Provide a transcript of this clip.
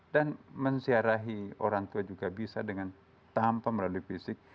dan menziarahi orang tua juga bisa tanpa melalui fisik